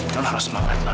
non harus semangat non